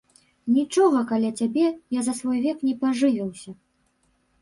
Нічога каля цябе я за свой век не пажывіўся!